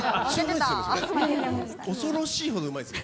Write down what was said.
恐ろしいほどうまいですよ。